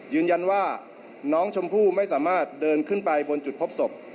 ยืนยันว่าน้องชมพู่ไม่สามารถเดินขึ้นไปบนจุดพบศพ